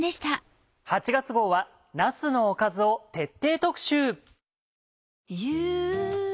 ８月号はなすのおかずを徹底特集。